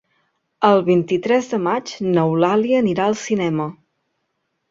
El vint-i-tres de maig n'Eulàlia anirà al cinema.